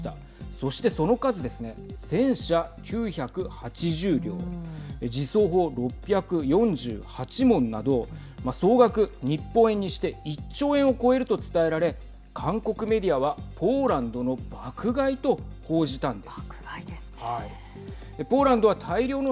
そして、その数ですね戦車９８０両自走砲６４８門など総額、日本円にして１兆円を超えると伝えられ韓国メディアはポーランドの爆買いと報じたんです。